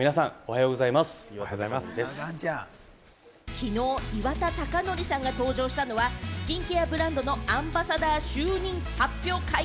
きのう、岩田剛典さんが登場したのはスキンケアブランドのアンバサダー就任発表会。